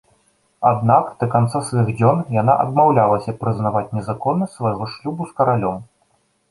Аднак да канца сваіх дзён яна адмаўлялася прызнаваць незаконнасць свайго шлюбу з каралём.